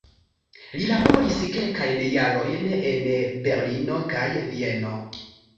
Li laboris kelkajn jarojn en Berlino kaj Vieno.